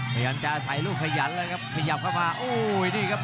พยายามจะใส่ลูกขยันเลยครับขยับเข้ามาโอ้ยนี่ครับ